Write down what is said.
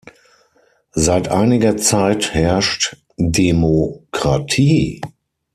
Seit einiger Zeit herrscht Demokratie.